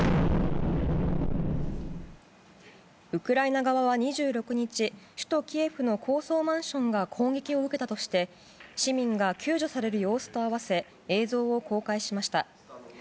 ウクライナ側は２６日首都キエフの高層マンションが攻撃を受けたとして市民が救助される様子と合わせ映像を公開しました。